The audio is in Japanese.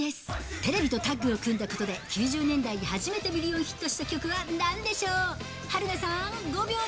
テレビとタッグを組んだことで、９０年代に初めてミリオンヒットした曲はなんでしょう？